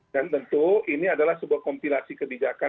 dan tentu ini adalah sebuah kompilasi kebijakan